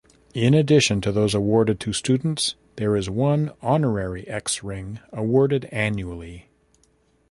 In addition to those awarded to students, there is one Honorary X-Ring awarded annually.